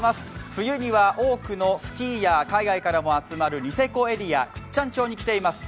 冬には多くのスキーヤー海外からも集まるニセコエリア、倶知安駅にいます。